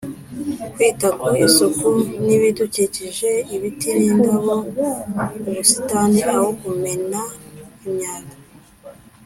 kwita ku isuku n’ibidukikije ibiti n’indabo, ubusitani, aho kumena imyanda